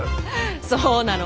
そうなの。